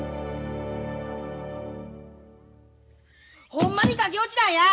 ほんまに駆け落ちなんや！